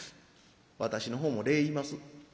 私のほうも礼言います。